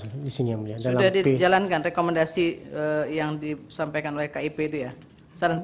sudah dijalankan rekomendasi yang disampaikan oleh kip itu ya